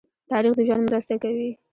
تاریخ د ژوند مرسته کوي.